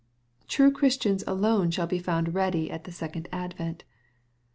'' True Christians shall alone be found ready at the second advent.